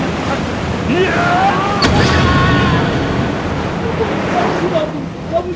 amur ampun ampun